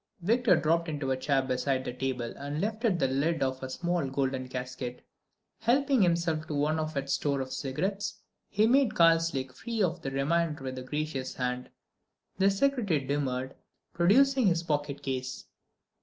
Victor dropped into a chair beside the table and lifted the lid of a small golden casket. Helping himself to one of its store of cigarettes, he made Karslake free of the remainder with a gracious hand. The secretary demurred, producing his pocket case.